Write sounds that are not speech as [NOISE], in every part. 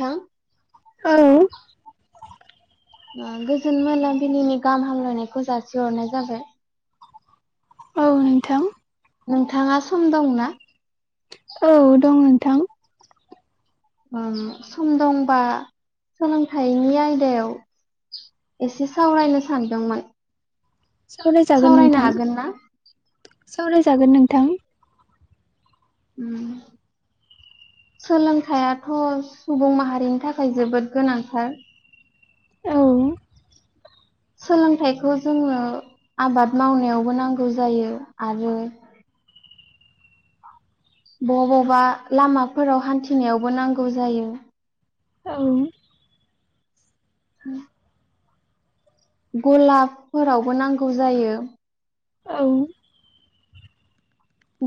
नोंथां औ। ओ गोजोन मोनाबिलिनि गाहाम हामलायनायखौ जासिहरनाय जाबाय। औ नोंथां। नोंथाङा सम दंना? औ दं नोंथां। ओ सम दंबा सोलोंथाइनि आयदायाव एसे सावरायनो सानदोंमोन। सावरायजागोन सावरायनो नोंथां, हागोन ना सावरायजागोन नोंथां। उम सोलोंथाइाथ' सुबुं माहारिनि थाखाय जोबोद गोनांथार औ सोलोंथाइखौ जोङो आबाद मावनायावबो नांगौ जायो आरो बबावबा लामाफोराव हान्थिनायावबो नांगौ जायो। औ [INAUDIBLE] गलाबफोरावबो नांगौ जायो। औ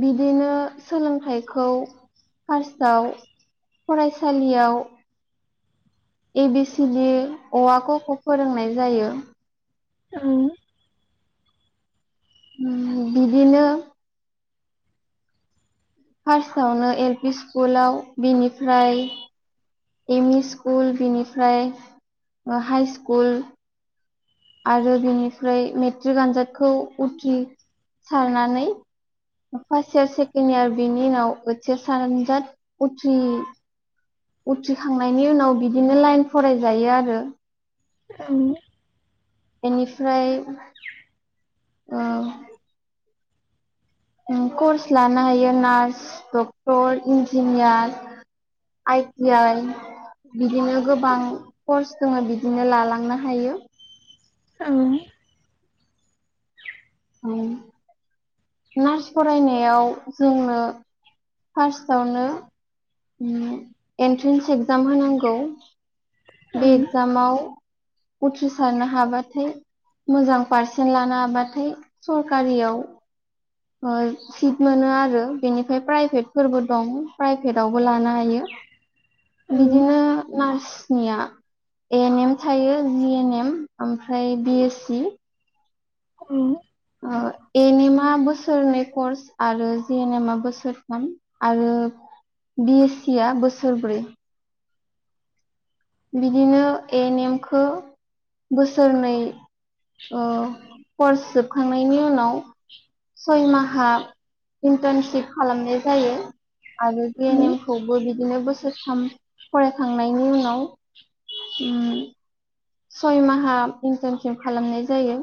बिदिनो सोलोंथाइखौ फार्स्टआव फरायसालियाव ए बि सि दि अ आ क ख खौ फोरोंनाय जायो। औ उम बिदिनो फार्स्टआवनो एल पि स्कुलाव बिनिफ्राय एम इ स्कुल बेनिफ्राय हाइ स्कुल आरो बिनिफ्राय मेट्रिक आनजादखौ उथ्रिसारनानै फार्स्ट इयार सेकेणड यार बिनि उनाव ओइसेस सानजाद उथ्रि उथ्रिखांनायनि उनाव बिदिनो लाइन फरायजायो आरो। औ बेनिफ्राय अ कर्स लानो हायो nurse doctor engineer I T I बिदिनो गोबां कर्स दङो बिदिनो लालांनो हायो। औ नार्स फरायनायाव जोङो फार्स्टआवनो एन्ट्रेन्स एक्जाम होनांगौ औ बे एग्जामाव उथ्रिसारनो हाबाथाय मोजां पारसेन्ट लानो हाबाथाय सरखारियाव सिट मोनो आरो बेनिफ्राय प्राइभेट फोरबो दं प्राइभेटवबो लानो हायो। बिदिनो नार्स सनिया ए-एनएम थायो जिएनएम ओमफ्राय बि एस सि औ एनएम आ बोसोरनै कर्स आरो जि एन एम आ बोसोरथाम आरो बि एस सि आ बोसोरब्रै बिदिनो एनएमखौ बोसोरनै ओ कर्स जोबखांनायनि उनाव सयमाहा इन्टार्नशप खालामनाय जायो। आरो जिएन एम खौबो बिदिनो बोसोरथाम फरायखांनायनि उनाव उम सय माहा इन्टार्नशप खालामनाय जायो।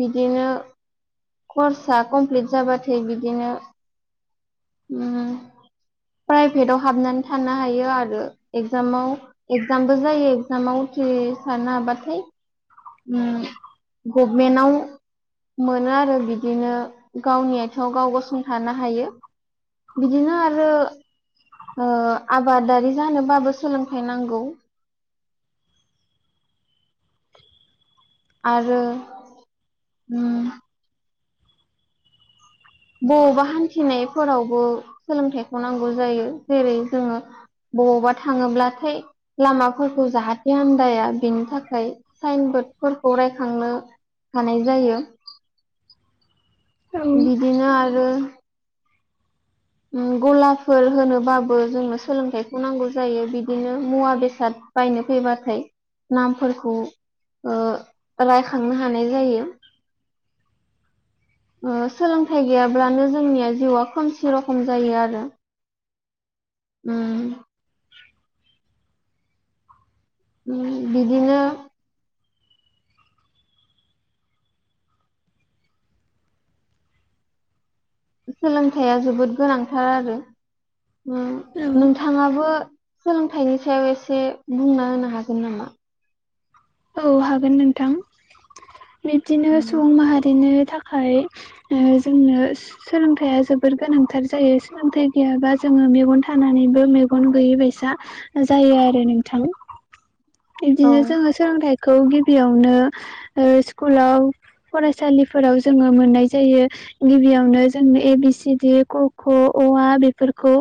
बिदिनो कर्सा कमप्लिट जाबाथाय बिदिनो उम प्राइभेटाव हाबनानै थानो हायो आरो इगजामाव एगजामबो जायो एगजामाव उथ्रिसारनो हाब्लाथाय उम गभमेन्टाव मोनो आरो बिदिनो गावनि आथिङाव गाव गसंथानो हायो। बिदिनो आरो ओ आबादारि जानोबाबो सोलोंथाइ नांगौ। आरो उम बबावबा हान्थिनायफोरावबो सोलोंथाइखौ नांगौ जायो। जेरै जोङो बबावबा थाङोब्लाथाय लामाफोरखौ जाहाथे आामदाया बिनि थाखाय साइनबर्डफोरखौ रायखांनो हानाय जायो। औ बिदिनो आरो गलाफोर होनोबाबो जोंनो सोलोंथाइखौ नांगौ जायो बिदिनो मुवा-बेसाद बायनो फैबाथाय नामफोरखौ ओ रायखांनो हानाय जायो। ओ सोलोंथाइ गैयाब्लानो जोंनिया जिउआ खोमसि रखम जायो आरो। उम [INAUDIBLE] उम बिदिनो सोलोंथाइया जोबोद गोनांथार आरो उम नोंथाङाबो सोलोंथाइनि सायाव एसे बुंना होनो हागोन नामा? औ हागोन नोंथां। बिब्दिनो उम सुबुं माहारिनि था- खाय ओ जोंनो सोलोंथाइया जोबोर गोनांथार जायो सोलोंथाइ गैयाबा जोङो मेगन थानानैबो मेगन गैयैबायसा जायो आरो नोंथां। औ बिदिनो जोङो खौ गिबियावनो ओ स्कुलाव फरायसालिफोराव जोङो मोननाय जायो। गिबियावनो जों ए बि सि डि ख क अ आ बेफोरखौ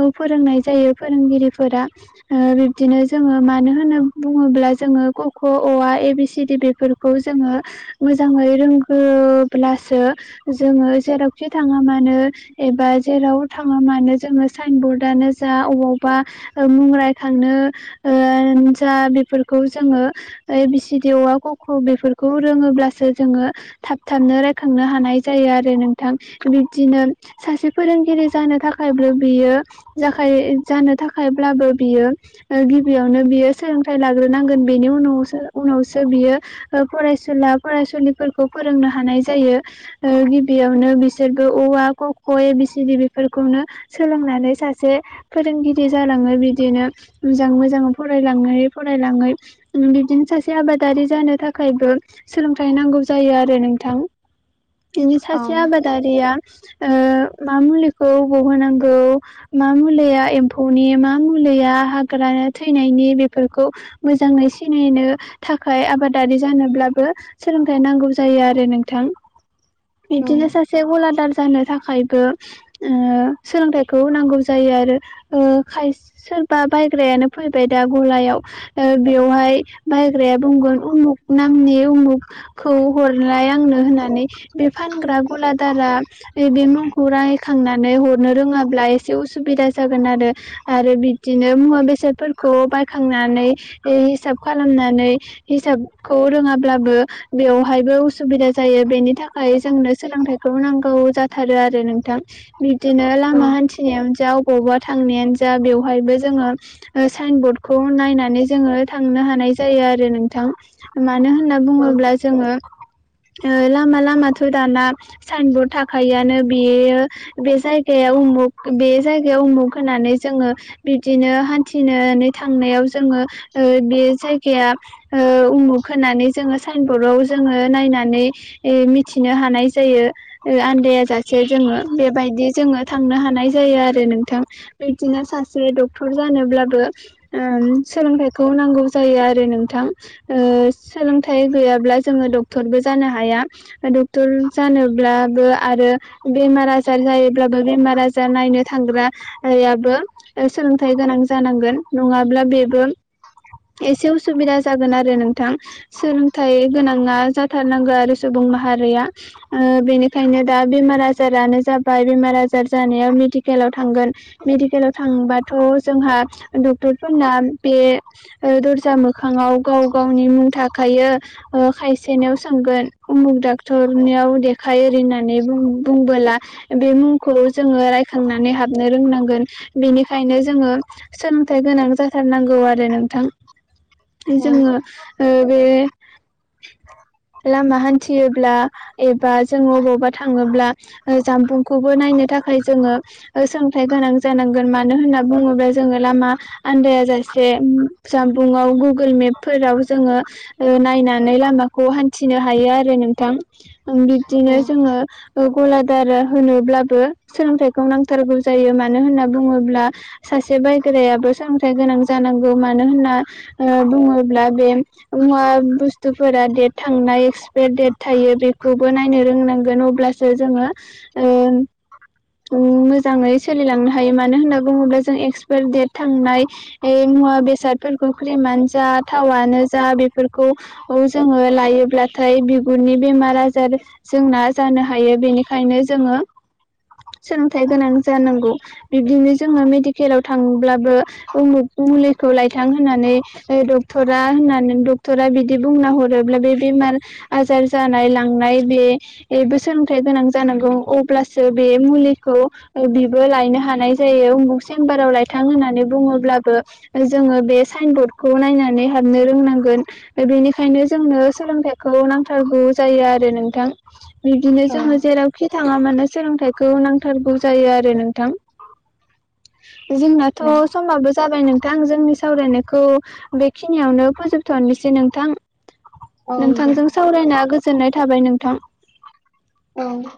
औ फोरोंनाय जायो फोरोंगिरिफोरा। ओ बिबदिनो जोङो मानो होनना बुङोब्ला जोङो क ख अ आ ए बि सि डि बेफोरखौ जोङो मोजाङै रोंगौब्लासो जोङो जेरावखि थाङा मानो एबा जेराव थाङो मानो जोङो साइन बरर्डआनो जा अबावबा मुं रायखांनो ओ जा बेफोरखौ जोङो ए बि सि दि अ आ क ख बेफोरखौ रोङोब्लासो जोङो थाब थाबनो रायखांनो हानाय जायो आरो नोंथां। बिबदिनो सासे फोरोंगिरि जानो थाखायबो बियो जाखायो जानो थाखायब्लाबो बियो ओ गिबियावनो बियो सोलोंथाइ लाग्रो- नांगोन। बेनि उनावसो उनावसो बियो ओ फरायसुला फरायसुलिफोरखौ फोरोंनो हानाय जायो। ओ गिबियावनो बिसोरबो अ आ क ख ए बि सि दि बेफोरखौनो सोलोंनानै सासे फोरोंगिरि जालाङो बिदिनो मोजां मोजां फरायलांनानै लाङो बिबदिनो सासे आबादारि जानो थाखायबो सोलोंथाइ नांगौ जायो आरो नोंथां। [UNINTELLIGIBLE] औ सासे आबादारिया ओ मा मुलिखौ अबाव होनांगौ मा मुलिया एम्फौनि मा मुलिया हाग्रा थैनायनि बेफोर- खौ मोजाङै सिनायनो थाखाय आबादारि जानोब्लाबो सोलोंथाइ नांगौ जायो आरो नोंथां। बिब्दिनो सासे औ सासे गलादार जानो थाखायबो ओ सोलोंथाइखौ नांगौ जायो आरो ओ खायसे सोरबा बायग्रायानो फैबाय दा गलायाव ओ बेवहाय बायग्राया बुंगोन उमुख नामनि उमुख खौ हरलाय आंनो होननानै। बे फानग्रा गलादारा बे बे मुंखौ रायखांनानै हरनो रोङाब्ला एसे उसुबिदा जागोन आरो। आरो बिब्दिनो मुवा बेसादफोरखौ बायखांनानै हिसाब खालामनानै हिसाबखौ रोङाब्लाबो बेवहायबो उसुबिदा जायो बेनि थाखाय जोंनो सोलोंथाइखौ नांगौ जाथारो आरो नोंथां। बिदिनो औ लामा हान्थि नायानो जा बबावबा थांनायानो जा बेवहायबो जोङो साइन बर्ड खौ नायनानै जोङो थांनो हानाय जायो आरो नोंथां। मानो होनना औ बुङोब्ला जोङो लामा लामाथ' दाना साइन बर्ड थाखायोआनो बियो बे जायगायाव उमुख बे जायगायाव उमुख होननानै जोङो बिब्दिनो हान्थिनानै थांनायाव जोङो ओ बे जायगाया ओ उमुख होनानै जोङो साइन बर्डआव जोङो नायनानै मिथिनो हानाय जायो आन्दायाजासे जोङो बेबायदि जोङो थांनो हानाय जायो आरो नोंथां बिदिनो सासे डक्टर जानोब्लाबो ओ सोलोंथाइखौ नांगौ जायो आरो नोंथां। ओ सोलोंथाइ गैयाब्ला जोङो डक्टरबो जानो हाया। डक्ट'र जानोब्लाबो आरो बेमार आजार जायोब्लाबो बेमार आजार नायनो थांग्रा याबो सोलोंथाइ गोनां जानांगोन नङाब्ला बेबो एसे उसुबिदा जागोन आरो नोंथां। सोलोंथाइ गोनाङा जाथारनांगौ आरो सुबुं माहारिया ओ बेनिखायनो दा बेमार आजारानो जाबाय बेमार आजार जानायाव मेडिकेलाव थांगोन मेडिकेलाव थांबाथ' जोंहा डक्टरफोरना बे ओ दर्जा मोखाङाव गाव गावनि मुं थाखायो ओ खायसेनियाव सोंगोन उमुग डाक्टरनियाव देखाय ओरै होननानै बुं बुंबोला बे मुंखौ जोङो रायखांनानै हाबनो रोंनांगोन बेनिखायनो जोङो सोलोंथाइ गोनां जाथारनांगौ आरो नोंथां जोङो ओ बे लामा हान्थियोब्ला एबा जों अबावबा थाङोब्ला जामबुंखौबो नायनो थाखाय जोङो सोलोंथाइ गोनां जानांगोन मानो होनना बुङोब्ला जोङो लामा आन्दाया जासे जानबुंवाव गुगोल मेपफोराव जोङो नायनानै लामाखौ हान्थिनो हायो आरो नोंथां बिब्दिनो औ जोङो गलादारा होनोब्लाबो सोलोंथाइखौ नांथारगौ जायो मानो होनना बुङोब्ला सासे सासे बायग्रायाबो सोलोंथाइ गोनां जानांगौ मानो होनना बुङोब्ला बे मुवा बुस्थुफोरा डेट थांनाय एक्सपायार डेट थायो बेखौबो नायनो रोंनांगोन अब्लासो जे जोङो ओ मोजाङै सोलिलांनो हायो मानो होनना बुङोब्ला जों एक्सपायार देट थांनाय मुवा बेसादफोरखौ ख्रिमानो जा थावानो जा बेफोरखौ औ जोङो लायोब्लाथाय बिगुरनि बेमार आजार जोंना जानो हायो बेनिखायनो जोङो सोलोंथाइ गोनां जानांगौ बिब्दिनो जोङो मेडिकेलाव थाङोब्लाबो उमुक मुलिखौ लायथां होननानै डक्टरा होननानै डक्टरा बिदि बुंना हरोब्ला बे बेमार आजार जानाय लांनाय बेबो सोलोंथाइ गोनां जानांगौे अब्ला सो बे मुलिखौ बिबो लायनो हानाय जायो उमुक सेम्बाराव लायथां होननानै बुङोब्लाबो जोङो बे साइन बर्डखौ नायनानै हाबनो रोंनांगोन। बेनिखायनो जोंनो सोलोंथाइखौ नांथारगौ जायो आरो नोंथां। बिदिनो औ जों जेरावखि थाङा मानो सोलोंथाइखौ नांथारगौ जायो आरो नोंथां। जोंनाथ' औ समाबो जाबाय नोंथां जोंनि सावरायनायखौ बेखिनियावनो फोजोबथ'नोसै नोंथां। औ दे नोंथांजों सावरायना गोजोननाय थाबाय नोंथां। औ